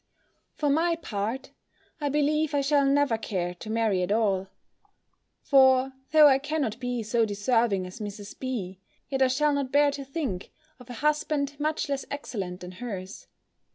For my part, I believe I shall never care to marry at all; for though I cannot be so deserving as Mrs. B. yet I shall not bear to think of a husband much less excellent than hers.